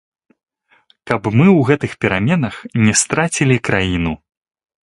Каб мы ў гэтых пераменах не страцілі краіну.